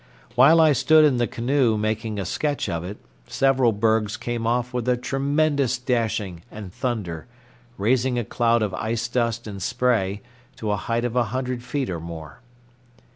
While I stood in the canoe making a sketch of it, several bergs came off with tremendous dashing and thunder, raising a cloud of ice dust and spray to a height of a hundred feet or more.